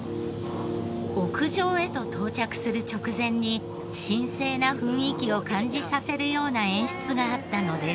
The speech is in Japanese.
屋上へと到着する直前に神聖な雰囲気を感じさせるような演出があったのです。